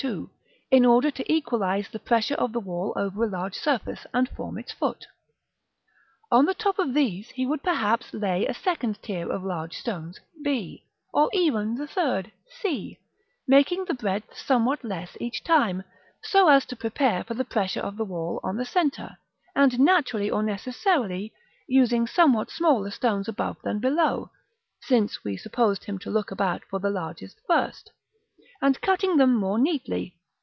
II.), in order to equalise the pressure of the wall over a large surface, and form its foot. On the top of these he would perhaps lay a second tier of large stones, b, or even the third, c, making the breadth somewhat less each time, so as to prepare for the pressure of the wall on the centre, and, naturally or necessarily, using somewhat smaller stones above than below (since we supposed him to look about for the largest first), and cutting them more neatly.